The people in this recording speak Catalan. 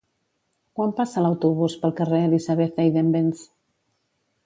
Quan passa l'autobús pel carrer Elisabeth Eidenbenz?